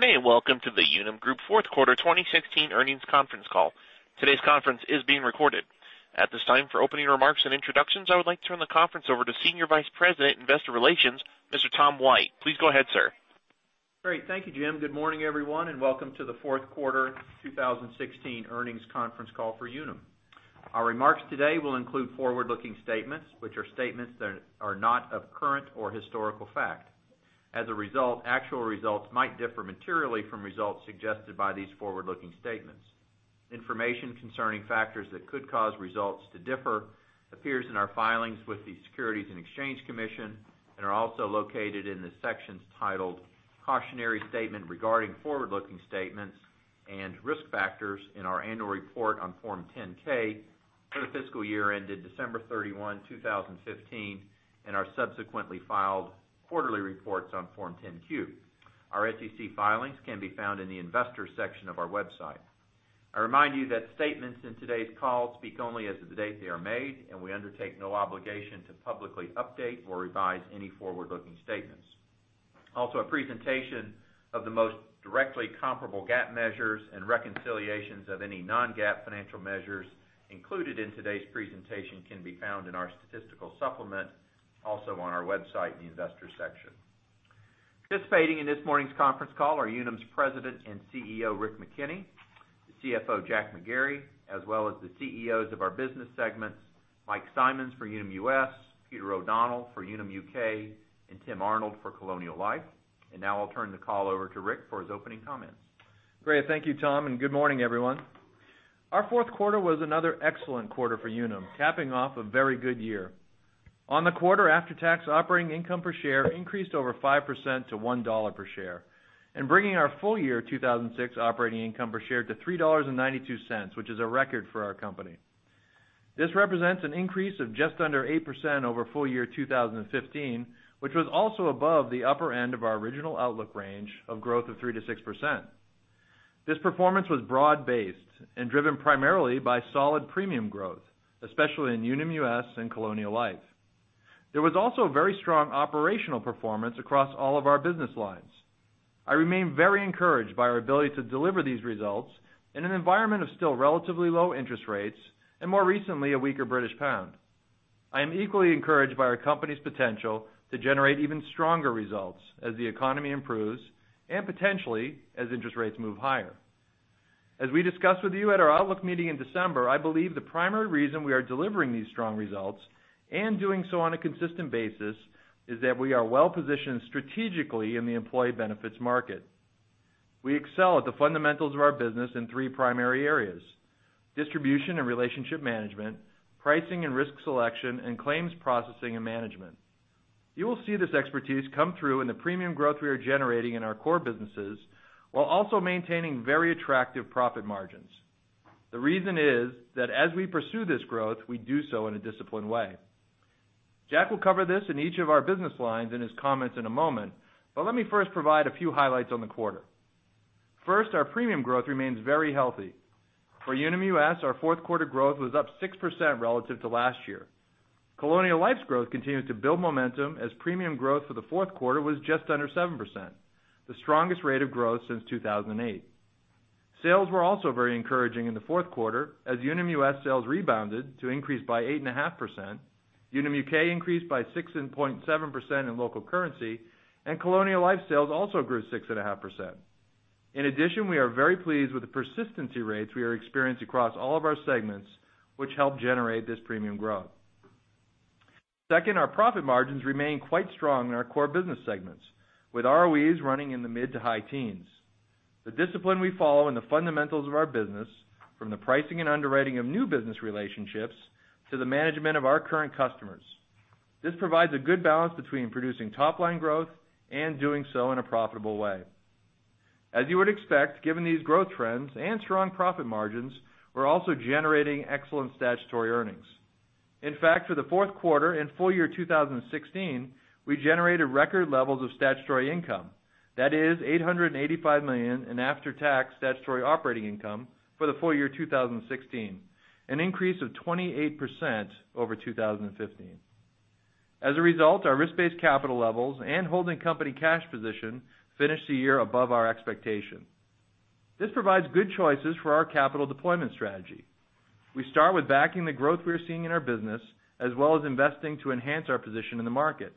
Good day. Welcome to the Unum Group fourth quarter 2016 earnings conference call. Today's conference is being recorded. At this time, for opening remarks and introductions, I would like to turn the conference over to Senior Vice President, Investor Relations, Mr. Tom White. Please go ahead, sir. Great. Thank you, Jim. Good morning, everyone. Welcome to the fourth quarter 2016 earnings conference call for Unum. Our remarks today will include forward-looking statements, which are statements that are not of current or historical fact. As a result, actual results might differ materially from results suggested by these forward-looking statements. Information concerning factors that could cause results to differ appears in our filings with the Securities and Exchange Commission and are also located in the sections titled "Cautionary Statement Regarding Forward-Looking Statements" and "Risk Factors" in our annual report on Form 10-K for the fiscal year ended December 31, 2015, and our subsequently filed quarterly reports on Form 10-Q. Our SEC filings can be found in the Investors section of our website. I remind you that statements in today's call speak only as of the date they are made. We undertake no obligation to publicly update or revise any forward-looking statements. Also, a presentation of the most directly comparable GAAP measures and reconciliations of any non-GAAP financial measures included in today's presentation can be found in our statistical supplement, also on our website in the Investors section. Participating in this morning's conference call are Unum's President and CEO, Rick McKenney, the CFO, Jack McGarry, as well as the CEOs of our business segments, Mike Simonds for Unum US, Peter O'Donnell for Unum UK, and Tim Arnold for Colonial Life. Now I'll turn the call over to Rick for his opening comments. Great. Thank you, Tom. Good morning, everyone. Our fourth quarter was another excellent quarter for Unum, capping off a very good year. On the quarter, after-tax operating income per share increased over 5% to $1 per share, bringing our full year 2016 operating income per share to $3.92, which is a record for our company. This represents an increase of just under 8% over full year 2015, which was also above the upper end of our original outlook range of growth of 3%-6%. This performance was broad-based, driven primarily by solid premium growth, especially in Unum US and Colonial Life. There was also very strong operational performance across all of our business lines. I remain very encouraged by our ability to deliver these results in an environment of still relatively low interest rates and, more recently, a weaker British pound. I am equally encouraged by our company's potential to generate even stronger results as the economy improves and potentially as interest rates move higher. As we discussed with you at our outlook meeting in December, I believe the primary reason we are delivering these strong results and doing so on a consistent basis is that we are well-positioned strategically in the employee benefits market. We excel at the fundamentals of our business in three primary areas, distribution and relationship management, pricing and risk selection, and claims processing and management. You will see this expertise come through in the premium growth we are generating in our core businesses while also maintaining very attractive profit margins. The reason is that as we pursue this growth, we do so in a disciplined way. Jack will cover this in each of our business lines in his comments in a moment. Let me first provide a few highlights on the quarter. First, our premium growth remains very healthy. For Unum US, our fourth quarter growth was up 6% relative to last year. Colonial Life's growth continued to build momentum as premium growth for the fourth quarter was just under 7%, the strongest rate of growth since 2008. Sales were also very encouraging in the fourth quarter as Unum US sales rebounded to increase by 8.5%. Unum UK increased by 6.7% in local currency. Colonial Life sales also grew 6.5%. In addition, we are very pleased with the persistency rates we are experiencing across all of our segments, which helped generate this premium growth. Second, our profit margins remain quite strong in our core business segments, with ROEs running in the mid to high teens. The discipline we follow and the fundamentals of our business, from the pricing and underwriting of new business relationships to the management of our current customers, this provides a good balance between producing top-line growth and doing so in a profitable way. As you would expect, given these growth trends and strong profit margins, we're also generating excellent statutory earnings. In fact, for the fourth quarter and full year 2016, we generated record levels of statutory income. That is $885 million in after-tax statutory operating income for the full year 2016, an increase of 28% over 2015. Our risk-based capital levels and holding company cash position finished the year above our expectation. This provides good choices for our capital deployment strategy. We start with backing the growth we are seeing in our business, as well as investing to enhance our position in the market.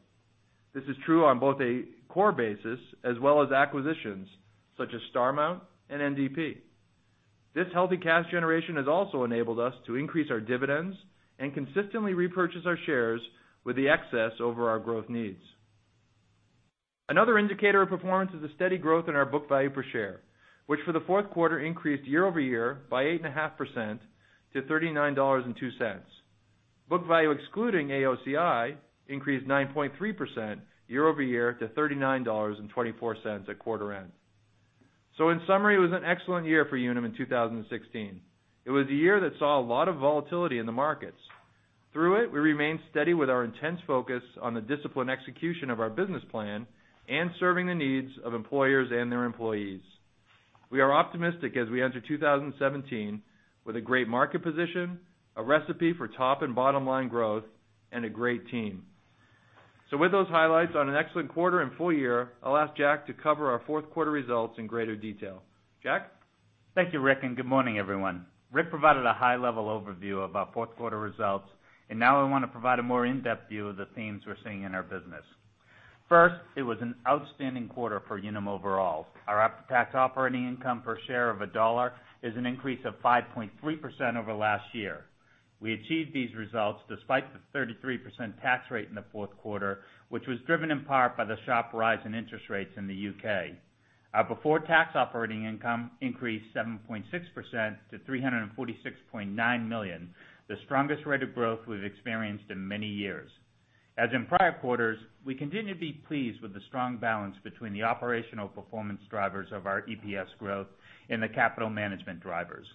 This is true on both a core basis as well as acquisitions such as Starmount and NDP. This healthy cash generation has also enabled us to increase our dividends and consistently repurchase our shares with the excess over our growth needs. Another indicator of performance is the steady growth in our book value per share, which for the fourth quarter increased year-over-year by 8.5% to $39.02. Book value excluding AOCI increased 9.3% year-over-year to $39.24 at quarter end. In summary, it was an excellent year for Unum in 2016. It was a year that saw a lot of volatility in the markets. Through it, we remained steady with our intense focus on the disciplined execution of our business plan and serving the needs of employers and their employees. We are optimistic as we enter 2017 with a great market position, a recipe for top and bottom line growth, and a great team. With those highlights on an excellent quarter and full year, I'll ask Jack to cover our fourth quarter results in greater detail. Jack? Thank you, Rick, and good morning, everyone. Rick provided a high-level overview of our fourth quarter results, and now I want to provide a more in-depth view of the themes we're seeing in our business. First, it was an outstanding quarter for Unum overall. Our after-tax operating income per share of $1 is an increase of 5.3% over last year. We achieved these results despite the 33% tax rate in the fourth quarter, which was driven in part by the sharp rise in interest rates in the U.K. Our before-tax operating income increased 7.6% to $346.9 million, the strongest rate of growth we've experienced in many years. As in prior quarters, we continue to be pleased with the strong balance between the operational performance drivers of our EPS growth and the capital management drivers.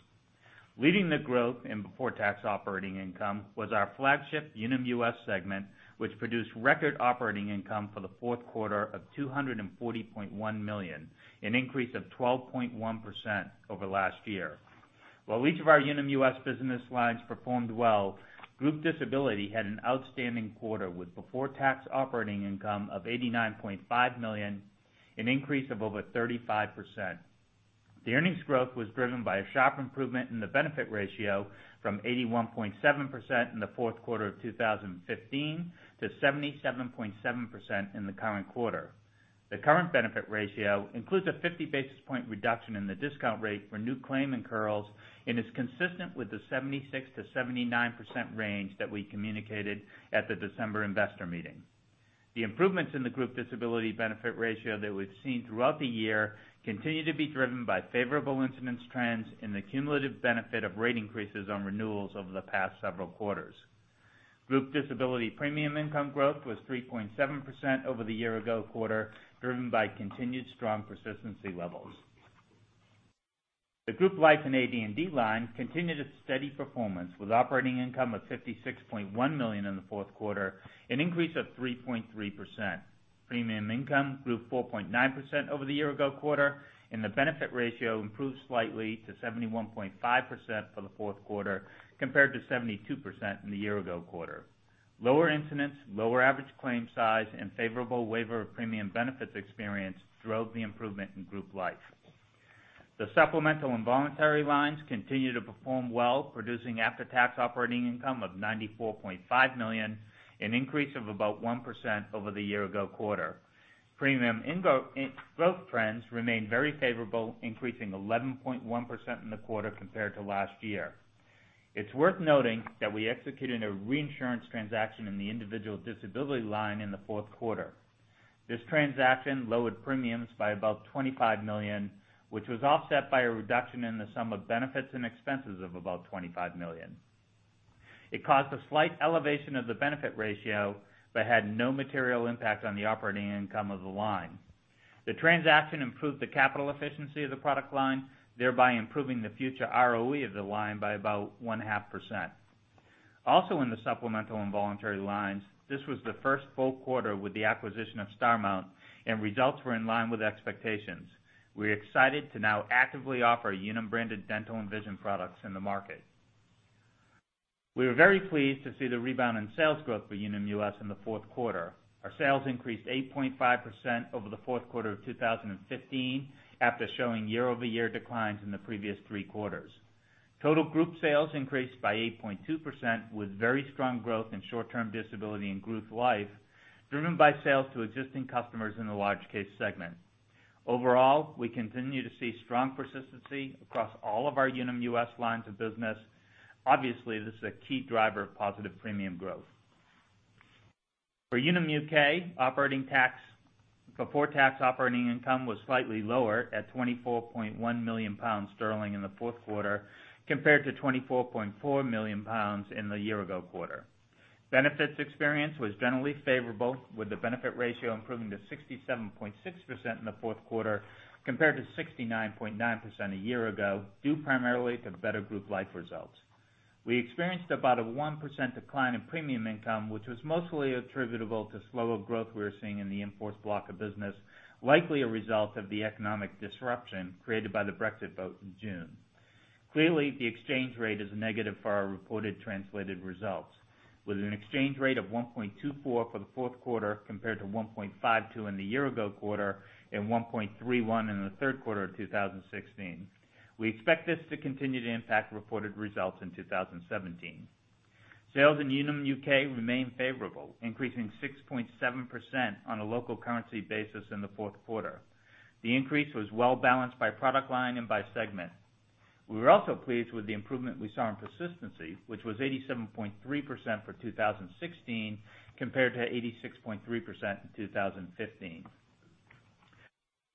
Leading the growth in before-tax operating income was our flagship Unum US segment, which produced record operating income for the fourth quarter of $240.1 million, an increase of 12.1% over last year. While each of our Unum US business lines performed well, group disability had an outstanding quarter, with before-tax operating income of $89.5 million, an increase of over 35%. The earnings growth was driven by a sharp improvement in the benefit ratio from 81.7% in the fourth quarter of 2015 to 77.7% in the current quarter. The current benefit ratio includes a 50 basis point reduction in the discount rate for new claim incurrals and is consistent with the 76%-79% range that we communicated at the December investor meeting. The improvements in the group disability benefit ratio that we've seen throughout the year continue to be driven by favorable incidence trends and the cumulative benefit of rate increases on renewals over the past several quarters. Group disability premium income growth was 3.7% over the year ago quarter, driven by continued strong persistency levels. The group life and AD&D line continued its steady performance with operating income of $56.1 million in the fourth quarter, an increase of 3.3%. Premium income grew 4.9% over the year ago quarter, and the benefit ratio improved slightly to 71.5% for the fourth quarter, compared to 72% in the year ago quarter. Lower incidence, lower average claim size, and favorable waiver of premium benefits experience drove the improvement in group life. The supplemental and voluntary lines continue to perform well, producing after-tax operating income of $94.5 million, an increase of about 1% over the year ago quarter. Premium growth trends remain very favorable, increasing 11.1% in the quarter compared to last year. It's worth noting that we executed a reinsurance transaction in the individual disability line in the fourth quarter. This transaction lowered premiums by about $25 million, which was offset by a reduction in the sum of benefits and expenses of about $25 million. It caused a slight elevation of the benefit ratio but had no material impact on the operating income of the line. The transaction improved the capital efficiency of the product line, thereby improving the future ROE of the line by about one-half percent. This was the first full quarter with the acquisition of Starmount, and results were in line with expectations. We're excited to now actively offer Unum-branded dental and vision products in the market. We were very pleased to see the rebound in sales growth for Unum US in the fourth quarter. Our sales increased 8.5% over the fourth quarter of 2015 after showing year-over-year declines in the previous three quarters. Total group sales increased by 8.2%, with very strong growth in short-term disability and group life, driven by sales to existing customers in the large case segment. We continue to see strong persistency across all of our Unum US lines of business. This is a key driver of positive premium growth. For Unum UK, before tax operating income was slightly lower at £24.1 million in the fourth quarter, compared to £24.4 million in the year ago quarter. Benefits experience was generally favorable, with the benefit ratio improving to 67.6% in the fourth quarter, compared to 69.9% a year ago, due primarily to better group life results. We experienced about a 1% decline in premium income, which was mostly attributable to slower growth we're seeing in the in-force block of business, likely a result of the economic disruption created by the Brexit vote in June. The exchange rate is negative for our reported translated results, with an exchange rate of 1.24 for the fourth quarter compared to 1.52 in the year ago quarter and 1.31 in the third quarter of 2016. We expect this to continue to impact reported results in 2017. Sales in Unum UK remained favorable, increasing 6.7% on a local currency basis in the fourth quarter. The increase was well-balanced by product line and by segment. We were also pleased with the improvement we saw in persistency, which was 87.3% for 2016, compared to 86.3% in 2015.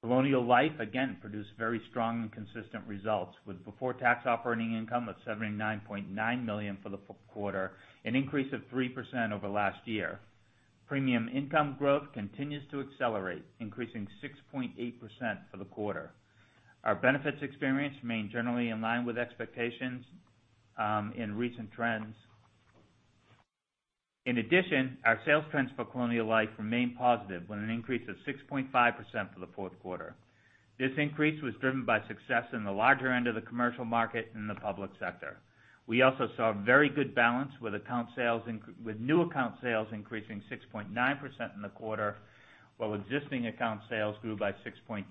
Colonial Life, again, produced very strong and consistent results, with before-tax operating income of $79.9 million for the fourth quarter, an increase of 3% over last year. Premium income growth continues to accelerate, increasing 6.8% for the quarter. Our benefits experience remained generally in line with expectations in recent trends. Our sales trends for Colonial Life remained positive with an increase of 6.5% for the fourth quarter. This increase was driven by success in the larger end of the commercial market in the public sector. We also saw very good balance with new account sales increasing 6.9% in the quarter, while existing account sales grew by 6.3%.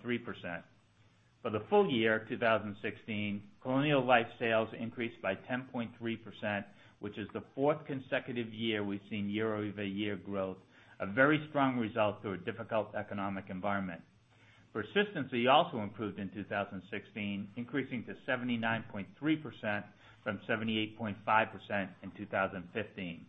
For the full year 2016, Colonial Life sales increased by 10.3%, which is the fourth consecutive year we've seen year-over-year growth, a very strong result through a difficult economic environment. Persistency also improved in 2016, increasing to 79.3% from 78.5% in 2015.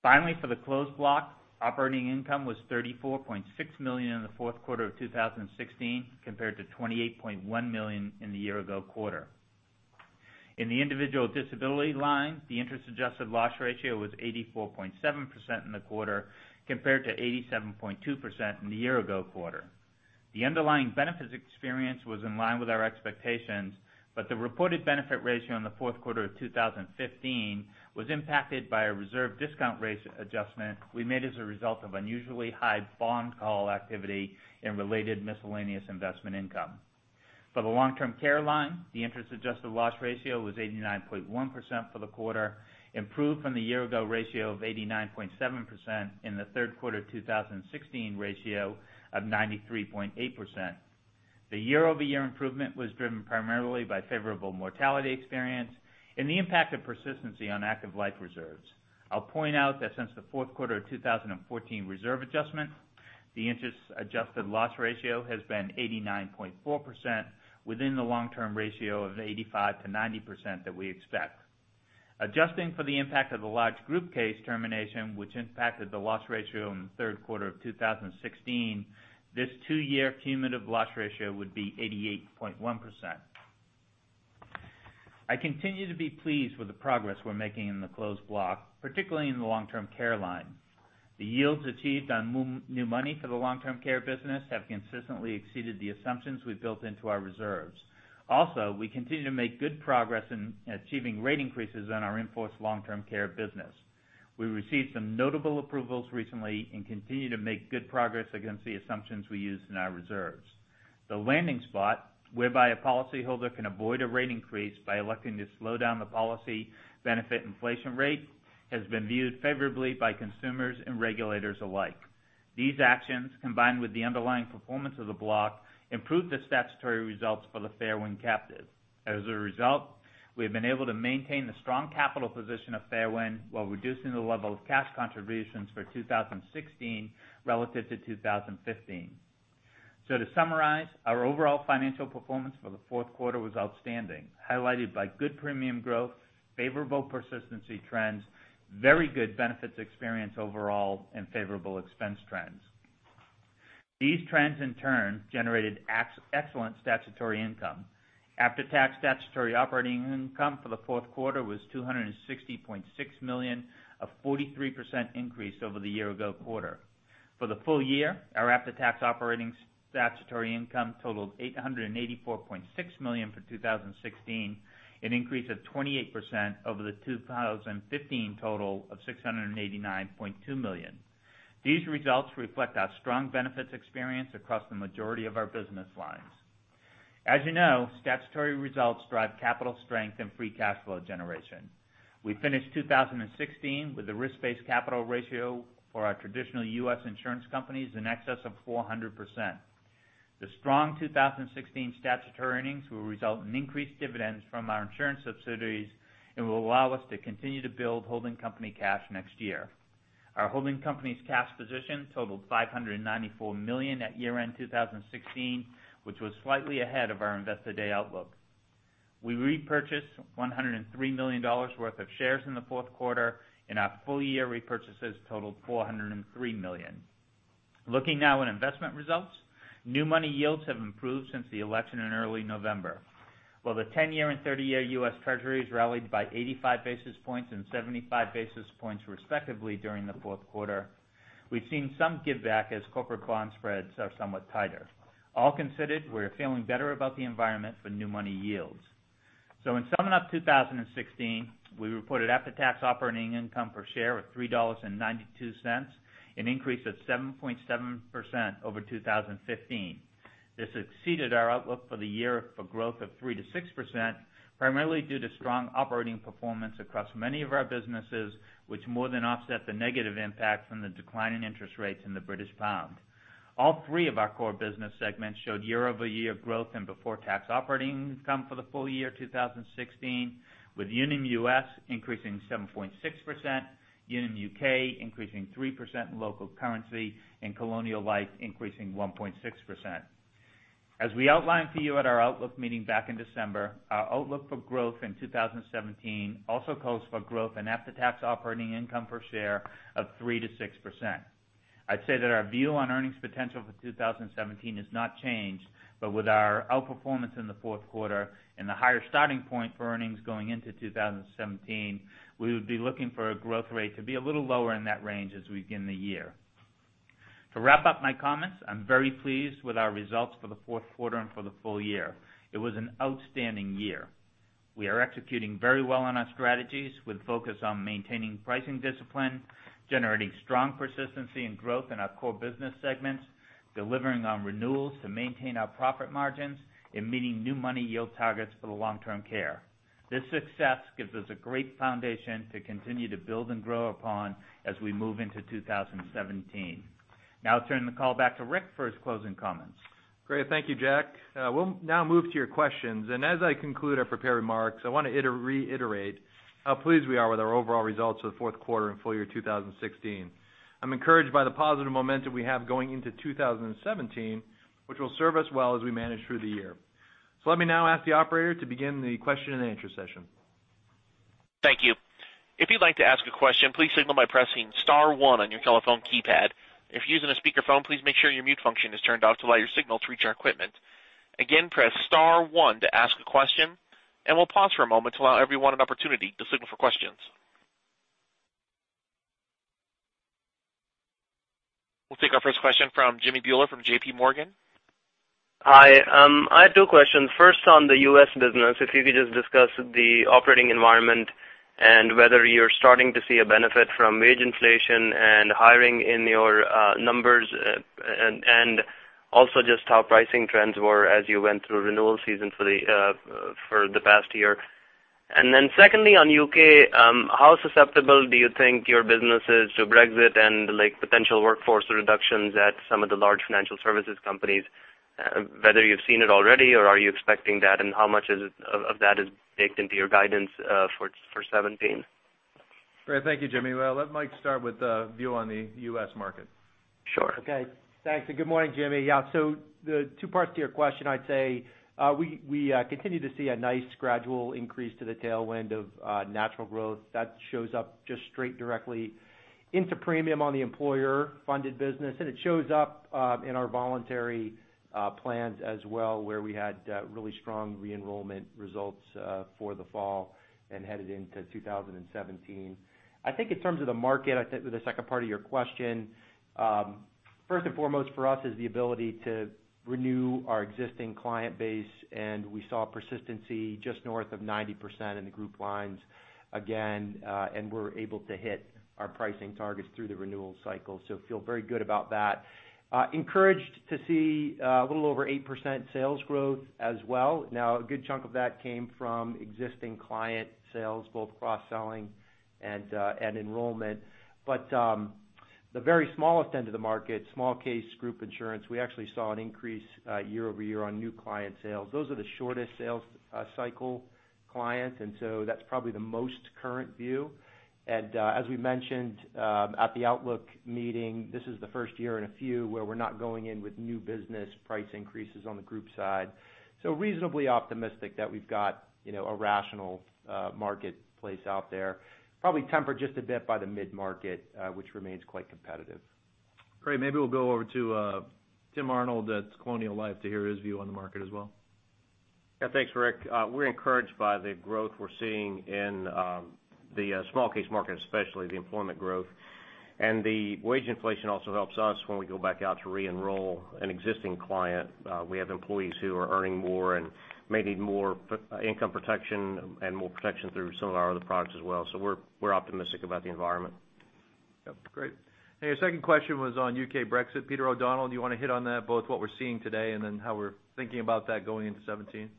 For the closed block, operating income was $34.6 million in the fourth quarter of 2016 compared to $28.1 million in the year ago quarter. In the individual disability line, the interest-adjusted loss ratio was 84.7% in the quarter, compared to 87.2% in the year ago quarter. The underlying benefits experience was in line with our expectations. The reported benefit ratio in the fourth quarter of 2015 was impacted by a reserve discount rate adjustment we made as a result of unusually high bond call activity and related miscellaneous investment income. For the long-term care line, the interest-adjusted loss ratio was 89.1% for the quarter, improved from the year ago ratio of 89.7% in the third quarter of 2016 ratio of 93.8%. The year-over-year improvement was driven primarily by favorable mortality experience and the impact of persistency on active life reserves. I'll point out that since the fourth quarter of 2014 reserve adjustment, the interest-adjusted loss ratio has been 89.4% within the long-term ratio of 85%-90% that we expect. Adjusting for the impact of the large group case termination, which impacted the loss ratio in the third quarter of 2016, this two-year cumulative loss ratio would be 88.1%. I continue to be pleased with the progress we're making in the closed block, particularly in the long-term care line. The yields achieved on new money for the long-term care business have consistently exceeded the assumptions we've built into our reserves. We continue to make good progress in achieving rate increases on our in-force long-term care business. We received some notable approvals recently and continue to make good progress against the assumptions we used in our reserves. The landing spot, whereby a policyholder can avoid a rate increase by electing to slow down the policy benefit inflation rate, has been viewed favorably by consumers and regulators alike. These actions, combined with the underlying performance of the block, improved the statutory results for the Fairwind captive. As a result, we have been able to maintain the strong capital position of Fairwind while reducing the level of cash contributions for 2016 relative to 2015. To summarize, our overall financial performance for the fourth quarter was outstanding, highlighted by good premium growth, favorable persistency trends, very good benefits experience overall, and favorable expense trends. These trends in turn generated excellent statutory income. After-tax statutory operating income for the fourth quarter was $260.6 million, a 43% increase over the year ago quarter. For the full year, our after-tax operating statutory income totaled $884.6 million for 2016, an increase of 28% over the 2015 total of $689.2 million. These results reflect our strong benefits experience across the majority of our business lines. As you know, statutory results drive capital strength and free cash flow generation. We finished 2016 with a risk-based capital ratio for our traditional U.S. insurance companies in excess of 400%. The strong 2016 statutory earnings will result in increased dividends from our insurance subsidiaries and will allow us to continue to build holding company cash next year. Our holding company's cash position totaled $594 million at year-end 2016, which was slightly ahead of our Investor Day outlook. We repurchased $103 million worth of shares in the fourth quarter, and our full-year repurchases totaled $403 million. Looking now at investment results, new money yields have improved since the election in early November. While the 10-year and 30-year U.S. Treasuries rallied by 85 basis points and 75 basis points respectively during the fourth quarter, we've seen some give back as corporate bond spreads are somewhat tighter. All considered, we're feeling better about the environment for new money yields. In summing up 2016, we reported after-tax operating income per share of $3.92, an increase of 7.7% over 2015. This exceeded our outlook for the year for growth of 3%-6%, primarily due to strong operating performance across many of our businesses, which more than offset the negative impact from the decline in interest rates in the British pound. All three of our core business segments showed year-over-year growth in before-tax operating income for the full year 2016, with Unum U.S. increasing 7.6%, Unum U.K. increasing 3% in local currency, and Colonial Life increasing 1.6%. As we outlined for you at our outlook meeting back in December, our outlook for growth in 2017 also calls for growth in after-tax operating income per share of 3%-6%. I'd say that our view on earnings potential for 2017 has not changed. With our outperformance in the fourth quarter and the higher starting point for earnings going into 2017, we would be looking for a growth rate to be a little lower in that range as we begin the year. To wrap up my comments, I'm very pleased with our results for the fourth quarter and for the full year. It was an outstanding year. We are executing very well on our strategies with focus on maintaining pricing discipline, generating strong persistency and growth in our core business segments, delivering on renewals to maintain our profit margins, and meeting new money yield targets for the long-term care. This success gives us a great foundation to continue to build and grow upon as we move into 2017. I'll turn the call back to Rick for his closing comments. Great. Thank you, Jack. We'll now move to your questions. As I conclude our prepared remarks, I want to reiterate how pleased we are with our overall results for the fourth quarter and full year 2016. I'm encouraged by the positive momentum we have going into 2017, which will serve us well as we manage through the year. Let me now ask the operator to begin the question and answer session. Thank you. If you'd like to ask a question, please signal by pressing *1 on your telephone keypad. If you're using a speakerphone, please make sure your mute function is turned off to allow your signal to reach our equipment. Again, press *1 to ask a question. We'll pause for a moment to allow everyone an opportunity to signal for questions. We'll take our first question from Jimmy Bhullar from J.P. Morgan. Hi. I have two questions. First, on the U.S. business, if you could just discuss the operating environment and whether you're starting to see a benefit from wage inflation and hiring in your numbers, just how pricing trends were as you went through renewal season for the past year. Secondly, on U.K., how susceptible do you think your business is to Brexit and potential workforce reductions at some of the large financial services companies, whether you've seen it already or are you expecting that. How much of that is baked into your guidance for 2017? Great. Thank you, Jimmy. Well, let Mike start with a view on the U.S. market. Sure. Okay. Thanks, and good morning, Jimmy. The two parts to your question, I'd say we continue to see a nice gradual increase to the tailwind of natural growth. That shows up just straight directly into premium on the employer-funded business, and it shows up in our voluntary plans as well, where we had really strong re-enrollment results for the fall and headed into 2017. I think in terms of the market, with the second part of your question, first and foremost for us is the ability to renew our existing client base, and we saw persistency just north of 90% in the group lines again, and we're able to hit our pricing targets through the renewal cycle. Feel very good about that. Encouraged to see a little over 8% sales growth as well. A good chunk of that came from existing client sales, both cross-selling and enrollment. The very smallest end of the market, small case group insurance, we actually saw an increase year-over-year on new client sales. Those are the shortest sales cycle clients, that's probably the most current view. As we mentioned at the outlook meeting, this is the first year in a few where we're not going in with new business price increases on the group side. Reasonably optimistic that we've got a rational marketplace out there, probably tempered just a bit by the mid-market, which remains quite competitive. Great. Maybe we'll go over to Tim Arnold at Colonial Life to hear his view on the market as well. Thanks, Rick. We're encouraged by the growth we're seeing in the small case market, especially the employment growth. The wage inflation also helps us when we go back out to re-enroll an existing client. We have employees who are earning more and may need more income protection and more protection through some of our other products as well. We're optimistic about the environment. Yep. Great. Your second question was on U.K. Brexit. Peter O'Donnell, do you want to hit on that, both what we're seeing today and then how we're thinking about that going into 2017?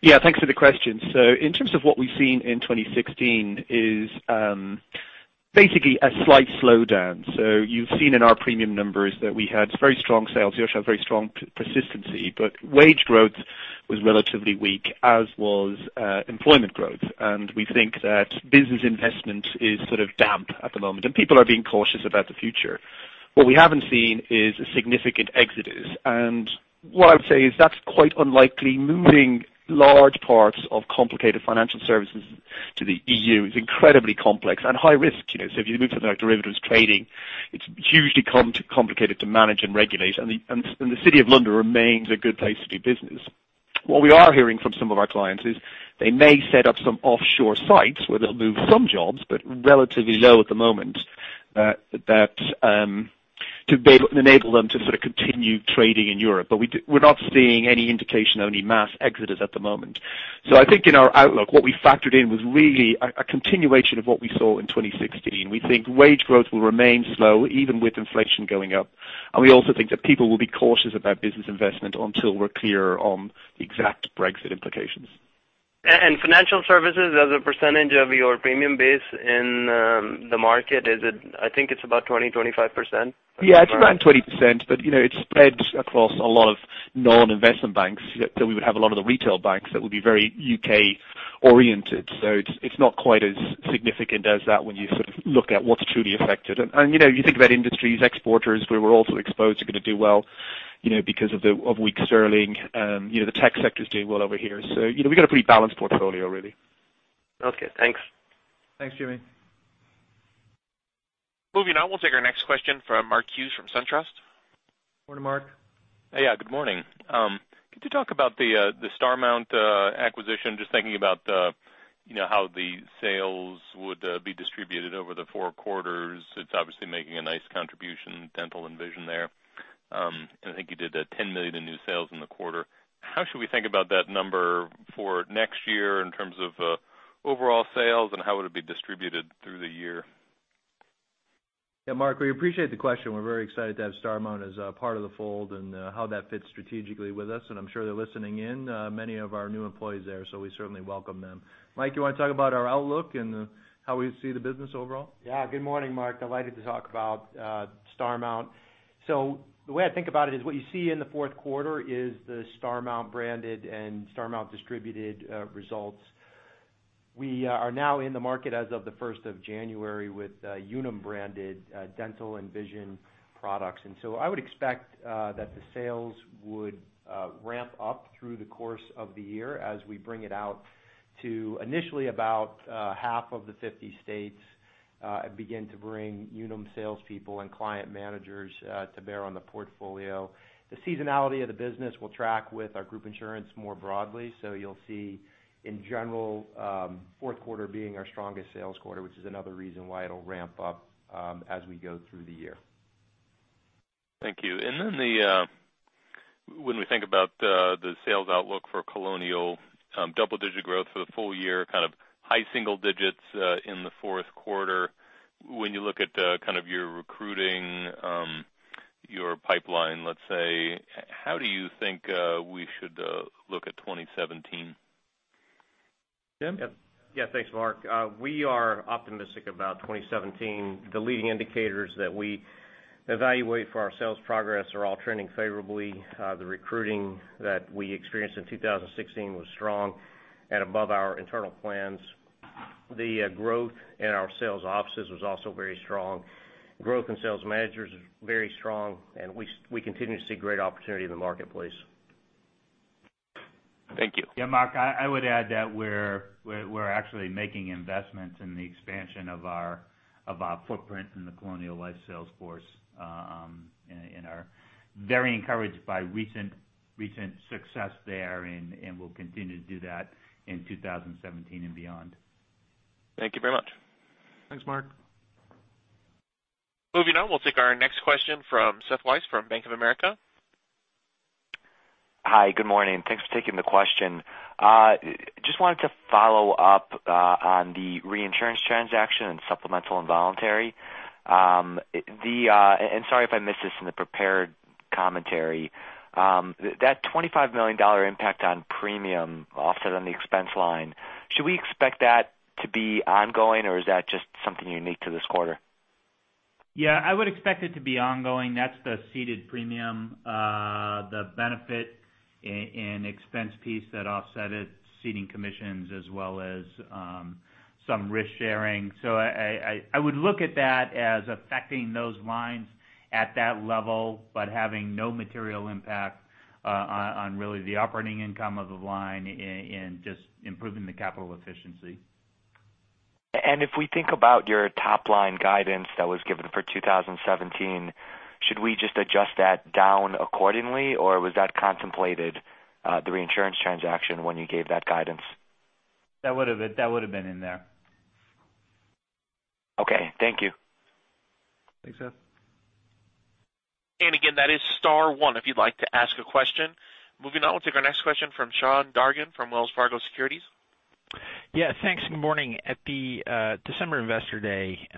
Yeah. Thanks for the question. In terms of what we've seen in 2016 is basically a slight slowdown. You've seen in our premium numbers that we had very strong sales. We also have very strong persistency, wage growth was relatively weak, as was employment growth. We think that business investment is sort of damp at the moment, and people are being cautious about the future. What we haven't seen is a significant exodus, what I would say is that's quite unlikely. Moving large parts of complicated financial services to the EU is incredibly complex and high risk. If you move something like derivatives trading, it's hugely complicated to manage and regulate, and the City of London remains a good place to do business. What we are hearing from some of our clients is they may set up some offshore sites where they'll move some jobs, relatively low at the moment, to enable them to sort of continue trading in Europe. We're not seeing any indication of any mass exodus at the moment. I think in our outlook, what we factored in was really a continuation of what we saw in 2016. We think wage growth will remain slow, even with inflation going up. We also think that people will be cautious about business investment until we're clear on the exact Brexit implications. Financial services as a percentage of your premium base in the market, I think it's about 20%, 25%? Yeah, it's around 20%, but it's spread across a lot of non-investment banks. We would have a lot of the retail banks that would be very U.K.-oriented. It's not quite as significant as that when you sort of look at what's truly affected. You think about industries, exporters where we're also exposed are going to do well because of weak sterling. The tech sector's doing well over here. We've got a pretty balanced portfolio, really. Okay. Thanks. Thanks, Jimmy. Moving on, we'll take our next question from Mark Hughes from SunTrust. Morning, Mark. Yeah. Good morning. Could you talk about the Starmount acquisition? Just thinking about the you know how the sales would be distributed over the four quarters. It's obviously making a nice contribution, dental and vision there. I think you did a $10 million in new sales in the quarter. How should we think about that number for next year in terms of overall sales, how would it be distributed through the year? Yeah, Mark, we appreciate the question. We're very excited to have Starmount as part of the fold and how that fits strategically with us, I'm sure they're listening in, many of our new employees there, we certainly welcome them. Mike, do you want to talk about our outlook and how we see the business overall? Yeah. Good morning, Mark. Delighted to talk about Starmount. The way I think about it is what you see in the fourth quarter is the Starmount-branded and Starmount-distributed results. We are now in the market as of the 1st of January with Unum-branded dental and vision products. I would expect that the sales would ramp up through the course of the year as we bring it out to initially about half of the 50 states, begin to bring Unum salespeople and client managers to bear on the portfolio. The seasonality of the business will track with our group insurance more broadly. You'll see, in general, fourth quarter being our strongest sales quarter, which is another reason why it'll ramp up as we go through the year. Thank you. Then when we think about the sales outlook for Colonial, double-digit growth for the full year, kind of high single digits in the fourth quarter. When you look at kind of your recruiting, your pipeline, let's say, how do you think we should look at 2017? Tim? Yeah. Thanks, Mark. We are optimistic about 2017. The leading indicators that we evaluate for our sales progress are all trending favorably. The recruiting that we experienced in 2016 was strong and above our internal plans. The growth in our sales offices was also very strong. Growth in sales managers is very strong, and we continue to see great opportunity in the marketplace. Thank you. Yeah, Mark, I would add that we're actually making investments in the expansion of our footprint in the Colonial Life sales force and are very encouraged by recent success there, and we'll continue to do that in 2017 and beyond. Thank you very much. Thanks, Mark. Moving on, we'll take our next question from Seth Weiss from Bank of America. Hi, good morning. Thanks for taking the question. Just wanted to follow up on the reinsurance transaction and supplemental and voluntary. Sorry if I missed this in the prepared commentary. That $25 million impact on premium offset on the expense line, should we expect that to be ongoing, or is that just something unique to this quarter? Yeah, I would expect it to be ongoing. That's the ceded premium, the benefit in expense piece that offset it, ceding commissions as well as some risk-sharing. I would look at that as affecting those lines at that level, but having no material impact on really the operating income of the line and just improving the capital efficiency. If we think about your top-line guidance that was given for 2017, should we just adjust that down accordingly, or was that contemplated, the reinsurance transaction when you gave that guidance? That would've been in there. Okay. Thank you. Thanks, Seth. Again, that is star one if you'd like to ask a question. Moving on, we'll take our next question from Sean Dargan from Wells Fargo Securities. Yeah, thanks. Good morning. At the December Investor Day,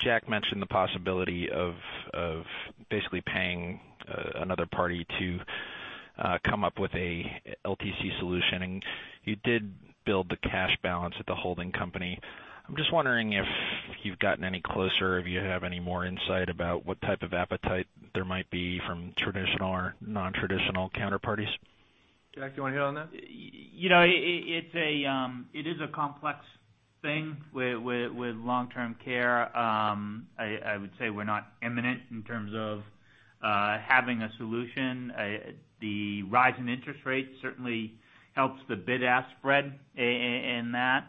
Jack mentioned the possibility of basically paying another party to come up with a LTC solution, and you did build the cash balance at the holding company. I'm just wondering if you've gotten any closer, if you have any more insight about what type of appetite there might be from traditional or non-traditional counterparties. Jack, do you want to hit on that? It is a complex thing with long-term care. I would say we're not imminent in terms of having a solution. The rise in interest rates certainly helps the bid-ask spread in that.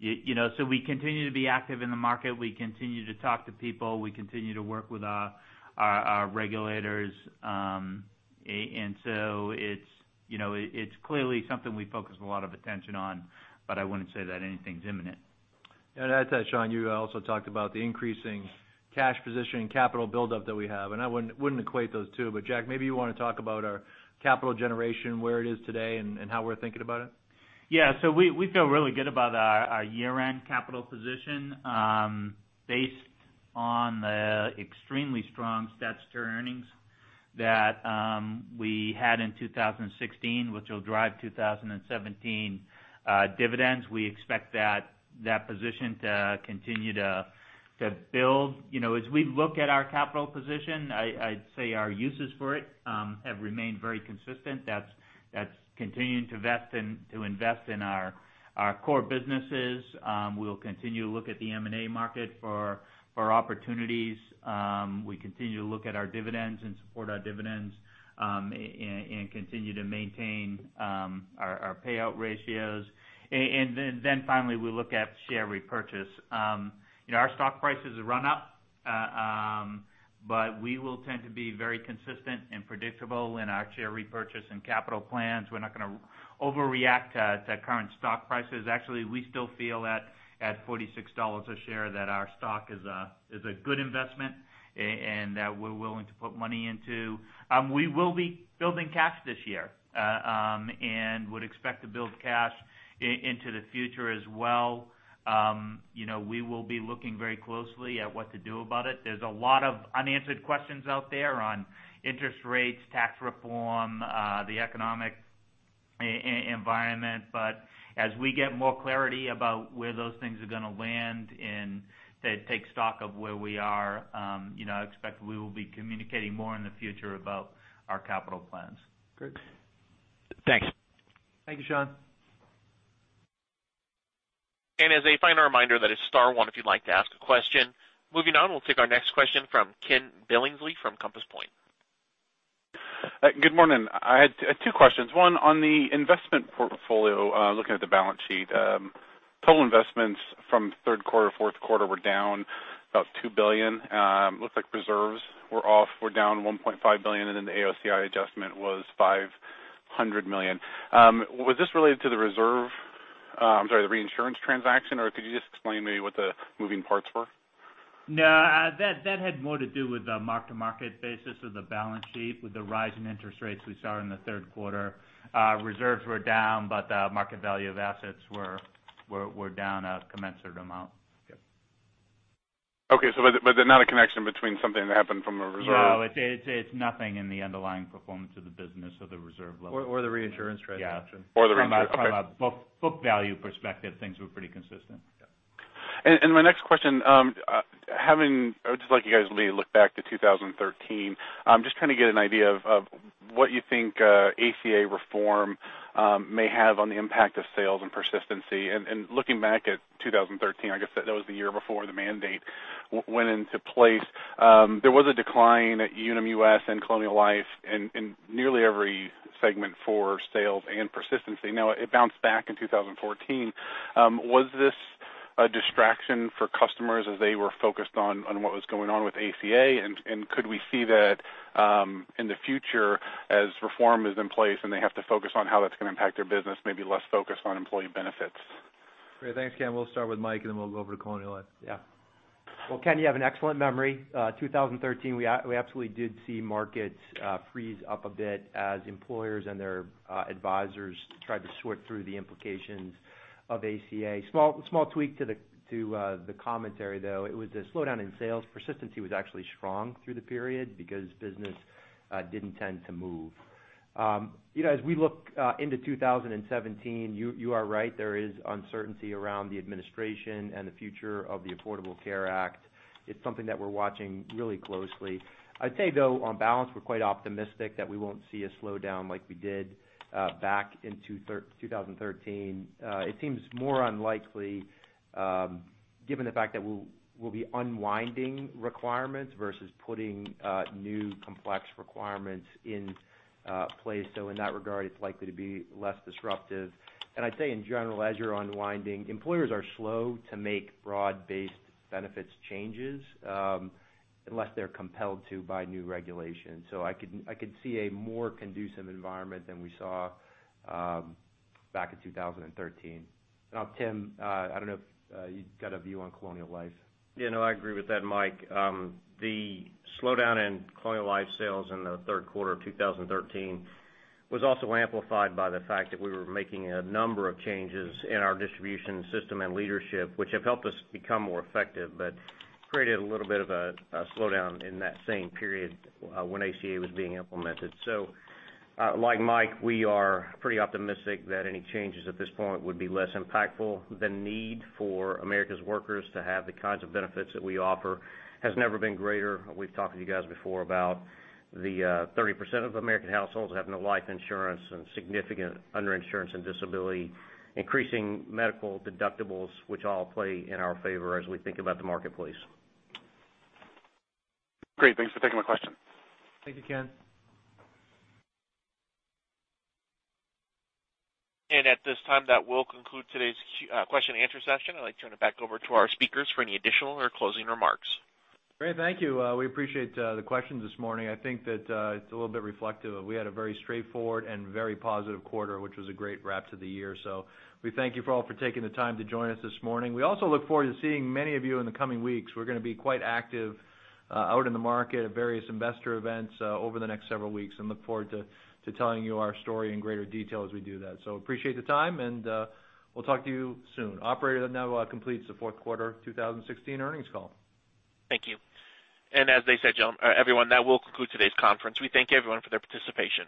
We continue to be active in the market. We continue to talk to people. We continue to work with our regulators. It's clearly something we focus a lot of attention on, but I wouldn't say that anything's imminent. To add to that, Sean, you also talked about the increasing cash position and capital buildup that we have, and I wouldn't equate those two. Jack, maybe you want to talk about our capital generation, where it is today, and how we're thinking about it. Yeah. We feel really good about our year-end capital position based on the extremely strong stats to earnings that we had in 2016, which will drive 2017 dividends. We expect that position to continue to build. As we look at our capital position, I'd say our uses for it have remained very consistent. That's continuing to invest in our core businesses. We'll continue to look at the M&A market for opportunities. We continue to look at our dividends and support our dividends, and continue to maintain our payout ratios. Finally, we look at share repurchase. Our stock prices run up, but we will tend to be very consistent and predictable in our share repurchase and capital plans. We're not going to overreact to current stock prices. Actually, we still feel at $46 a share that our stock is a good investment and that we're willing to put money into. We will be building cash this year, and would expect to build cash into the future as well. We will be looking very closely at what to do about it. There's a lot of unanswered questions out there on interest rates, tax reform, the economic environment. As we get more clarity about where those things are going to land and take stock of where we are, I expect we will be communicating more in the future about our capital plans. Good. Thanks. Thank you, Sean. As a final reminder, that is star one if you'd like to ask a question. Moving on, we'll take our next question from Ken from Compass Point. Good morning. I had two questions. One on the investment portfolio, looking at the balance sheet. Total investments from third quarter, fourth quarter were down about $2 billion. Looks like reserves were off, were down $1.5 billion, and then the AOCI adjustment was $500 million. Was this related to the reserve, I'm sorry, the reinsurance transaction, or could you just explain to me what the moving parts were? No, that had more to do with the mark-to-market basis of the balance sheet with the rise in interest rates we saw in the third quarter. Reserves were down, but the market value of assets were down a commensurate amount. Okay. There's not a connection between something that happened from a reserve- No, it's nothing in the underlying performance of the business or the reserve level. The reinsurance transaction. The reinsurance. From a book value perspective, things were pretty consistent. Yeah. My next question, I would just like you guys to maybe look back to 2013. Just trying to get an idea of what you think ACA reform may have on the impact of sales and persistency. Looking back at 2013, I guess that was the year before the mandate went into place. There was a decline at Unum US and Colonial Life in nearly every segment for sales and persistency. Now, it bounced back in 2014. Was this a distraction for customers as they were focused on what was going on with ACA? Could we see that in the future as reform is in place and they have to focus on how that's going to impact their business, maybe less focus on employee benefits? Great. Thanks, Ken. We'll start with Mike, then we'll go over to Colonial Life. Yeah. Well, Ken, you have an excellent memory. 2013, we absolutely did see markets freeze up a bit as employers and their advisors tried to sort through the implications of ACA. Small tweak to the commentary, though. It was a slowdown in sales. Persistency was actually strong through the period because business didn't tend to move. As we look into 2017, you are right, there is uncertainty around the administration and the future of the Affordable Care Act. It's something that we're watching really closely. I'd say, though, on balance, we're quite optimistic that we won't see a slowdown like we did back in 2013. It seems more unlikely given the fact that we'll be unwinding requirements versus putting new complex requirements in place. In that regard, it's likely to be less disruptive. I'd say in general, as you're unwinding, employers are slow to make broad-based benefits changes unless they're compelled to by new regulations. I could see a more conducive environment than we saw back in 2013. Tim, I don't know if you've got a view on Colonial Life. Yeah, no, I agree with that, Mike. The slowdown in Colonial Life sales in the third quarter of 2013 was also amplified by the fact that we were making a number of changes in our distribution system and leadership, which have helped us become more effective, but created a little bit of a slowdown in that same period when ACA was being implemented. Like Mike, we are pretty optimistic that any changes at this point would be less impactful. The need for America's workers to have the kinds of benefits that we offer has never been greater. We've talked to you guys before about the 30% of American households have no life insurance and significant underinsurance and disability, increasing medical deductibles, which all play in our favor as we think about the marketplace. Great. Thanks for taking my question. Thank you, Ken. At this time, that will conclude today's question and answer session. I'd like to turn it back over to our speakers for any additional or closing remarks. Great. Thank you. We appreciate the questions this morning. I think that it's a little bit reflective of we had a very straightforward and very positive quarter, which was a great wrap to the year. We thank you all for taking the time to join us this morning. We also look forward to seeing many of you in the coming weeks. We're going to be quite active out in the market at various investor events over the next several weeks and look forward to telling you our story in greater detail as we do that. Appreciate the time, and we'll talk to you soon. Operator, that now completes the fourth quarter 2016 earnings call. Thank you. As they say, everyone, that will conclude today's conference. We thank everyone for their participation.